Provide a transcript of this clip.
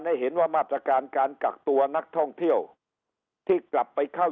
ให้เห็นว่ามาตรการการกักตัวนักท่องเที่ยวที่กลับไปเข้า